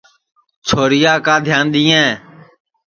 چھورِیا کا دھِیان دِؔئیں